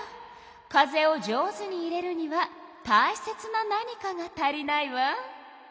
風を上手に入れるにはたいせつな何かが足りないわ。